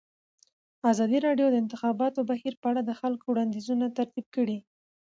ازادي راډیو د د انتخاباتو بهیر په اړه د خلکو وړاندیزونه ترتیب کړي.